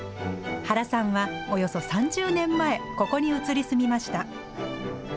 原さんはおよそ３０年前、ここに移り住みました。